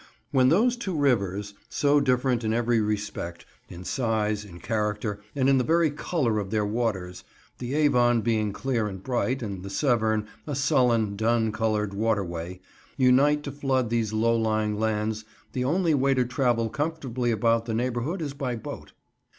When those two rivers—so different in every respect; in size, in character, and in the very colour of their waters, the Avon being clear and bright, and the Severn a sullen, dun coloured waterway—unite to flood these low lying lands the only way to travel comfortably about the neighbourhood is by boat.